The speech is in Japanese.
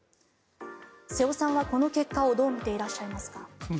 瀬尾さんはこの結果をどう見ていらっしゃいますか。